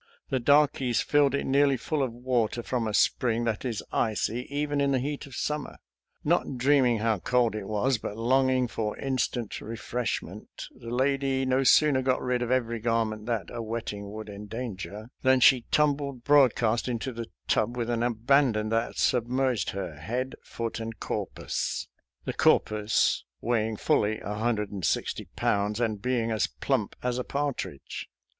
The darkies filled it nearly full of water from a spring that is icy even in the heat of summer. Not dreaming how cold it was, but longing for instant refreshment, the lady no sooner got rid of every garment that a wetting would endanger, than she tumbled broadcast into the tub with an abandon that submerged her, head, foot and corpus — ^the cor pus weighing fully a hundred and sixty pounds and being as plump as a partridge.